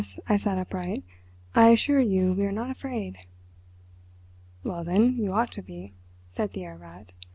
I sat upright. "I assure you we are not afraid." "Well, then, you ought to be," said the Herr Rat.